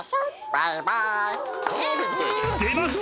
バイバーイ」［出ました！